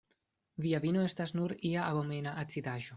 Via vino estas nur ia abomena acidaĵo.